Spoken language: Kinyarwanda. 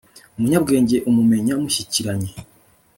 umunyabwenge umumenya mushyikiranye